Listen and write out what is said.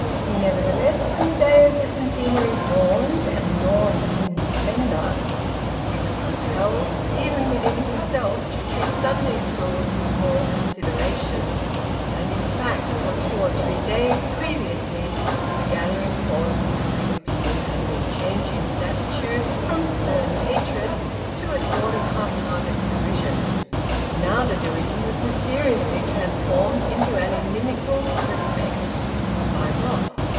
Nevertheless, when the day of the Centenary dawned and dawned in splendour he was compelled, even within himself, to treat Sunday schools with more consideration. And, in fact, for two or three days previously the gathering force of public opinion had been changing his attitude from stern hatred to a sort of half hearted derision. Now, the derision was mysteriously transformed into an inimical respect. By what?